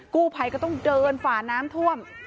กู้ไพมันก็ต้องเดินฝ่าน้ำเทืม